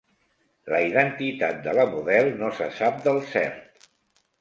La identitat de la model no se sap del cert.